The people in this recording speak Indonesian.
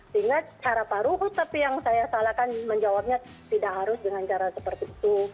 sehingga cara pak ruhut tapi yang saya salahkan menjawabnya tidak harus dengan cara seperti itu